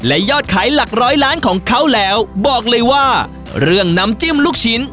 และยอดขายหลักร้อยล้านของเขาแล้วบอกเลยว่าเรื่องน้ำจิ้มลูกชิ้น